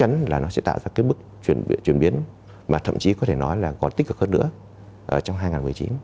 nó sẽ tạo ra bước chuyển biến mà thậm chí có thể nói là còn tích cực hơn nữa trong hai nghìn một mươi chín